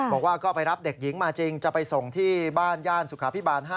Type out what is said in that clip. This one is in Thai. บอกว่าก็ไปรับเด็กหญิงมาจริงจะไปส่งที่บ้านย่านสุขาพิบาล๕